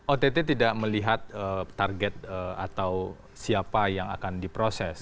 ott tidak melihat target atau siapa yang akan diproses